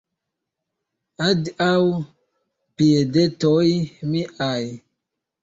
Adiaŭ, piedetoj miaj!